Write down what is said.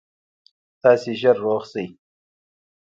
تاسو ژر روغ شئ